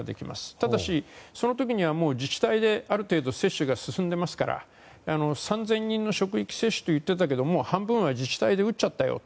ただし、その時には自治体である程度、接種が進んでいますから３０００人の職域接種といっていたけれど半分は自治体で打っちゃったよと。